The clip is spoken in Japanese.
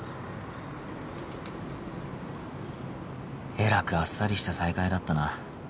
えらくあっさりした再会だったな